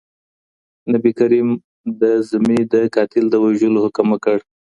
نبي کریم د ذمي د قاتل د وژلو حکم وکړ.